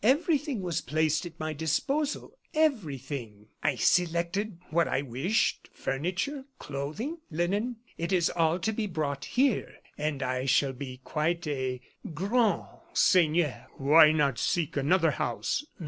Everything was placed at my disposal everything. I selected what I wished furniture, clothing, linen. It is all to be brought here; and I shall be quite a grand seigneur." "Why not seek another house?